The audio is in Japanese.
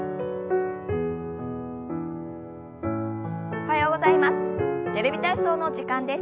おはようございます。